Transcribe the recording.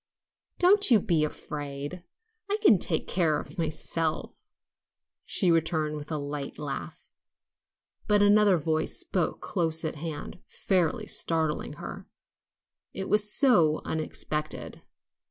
"Don't you be afraid. I can take care of myself," she returned with a light laugh. But another voice spoke close at hand, fairly startling her, it was so unexpected.